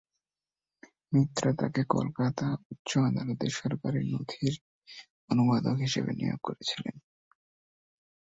মিত্র তাঁকে কলকাতা উচ্চ আদালতে সরকারী নথির অনুবাদক হিসাবে নিয়োগ করেছিলেন।